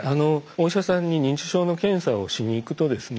お医者さんに認知症の検査をしに行くとですね